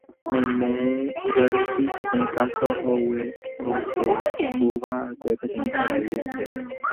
Oime gueteri peteĩ káso ojehuva'ekue peteĩ karai rehe.